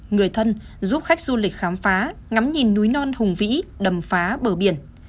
người thân giúp khách du lịch khám phá ngắm nhìn núi non hùng vĩ đầm phá bờ biển